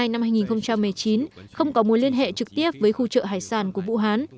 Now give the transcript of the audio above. năm hai nghìn một mươi hai hai nghìn một mươi chín không có mối liên hệ trực tiếp với khu trợ hải sản của vũ hán